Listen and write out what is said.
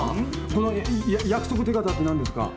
この約束手形って何ですか？